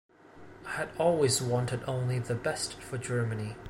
I had always wanted only the best for Germany.